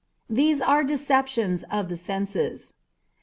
These are deceptions of the senses.